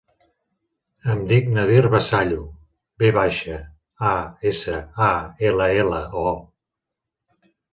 Em dic Nadir Vasallo: ve baixa, a, essa, a, ela, ela, o.